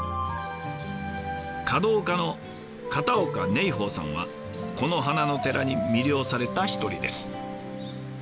華道家の片岡寧豊さんはこの花の寺に魅了された一人です。